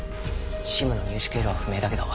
ＳＩＭの入手経路は不明だけど。